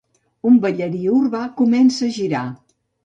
Un ballarí urbà comença a girar.